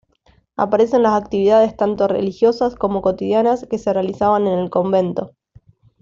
Aparecen las actividades tanto religiosas como cotidianas que se realizaban en el convento.